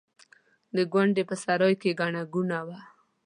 د کونډې په سرای کې ګڼه ګوڼه وه.